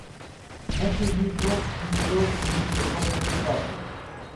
Некои мирно, тивко, други со пркос и кавга.